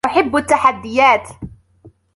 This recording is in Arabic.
أحب التحديات